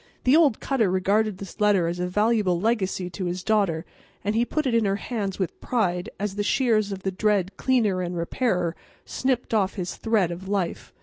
The old cutter regarded this letter as a valuable legacy to his daughter, and he put it into her hands with pride as the shears of the dread Cleaner and Repairer snipped off his thread of life.